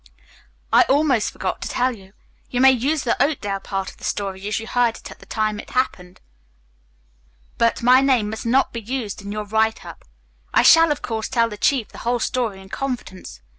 "I almost forgot to tell you. You may use the Oakdale part of the story as you heard it at the time it happened, but my name must not be used in your write up. I shall, of course, tell the chief the whole story in confidence.